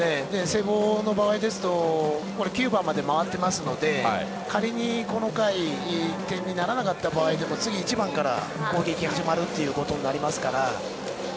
聖望の場合ですと９番まで回っていますので仮にこの回点にならなかった場合でも次１番から攻撃が始まりますから。